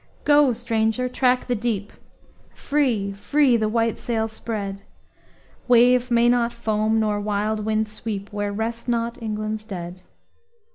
Go, stranger! track the deep Free, free, the white sail spread! Wave may not foam, nor wild wind sweep, Where rest not England's dead.